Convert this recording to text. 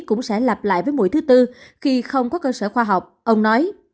cũng sẽ lặp lại với mũi thứ tư khi không có cơ sở khoa học ông nói